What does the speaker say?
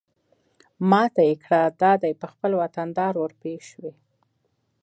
ما ته يې کړه دا دى په خپل وطندار ورپېښ شوې.